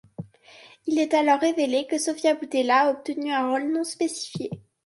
Il est alors révélé que Sofia Boutella a obtenu un rôle non spécifié.